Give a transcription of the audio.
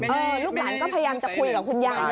เนี่ยพร้อมมาคุยกับคุณยาย